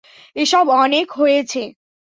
এসব অনেক হয়েছে।